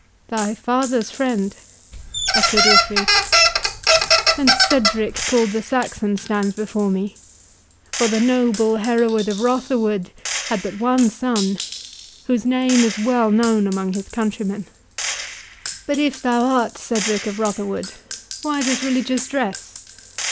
"Thy father's friend!" echoed Urfried; "then Cedric called the Saxon stands before me, for the noble Hereward of Rotherwood had but one son, whose name is well known among his countrymen. But if thou art Cedric of Rotherwood, why this religious dress?